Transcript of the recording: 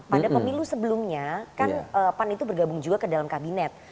pada pemilu sebelumnya kan pan itu bergabung juga ke dalam kabinet